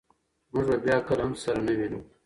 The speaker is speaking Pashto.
موږ به بیا کله هم سره نه وینو.